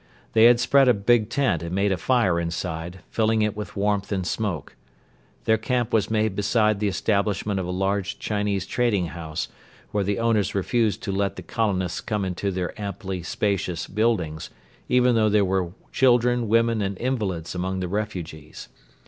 They had spread a big tent and made a fire inside, filling it with warmth and smoke. Their camp was made beside the establishment of a large Chinese trading house, where the owners refused to let the colonists come into their amply spacious buildings, even though there were children, women and invalids among the refugees.